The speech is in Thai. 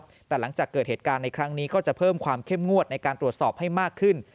แต่หลังจากเกิดเหตุการณ์ในครั้งนี้ก็จะเพิ่มความเข้มงวดในการตรวจสอบให้มากขึ้น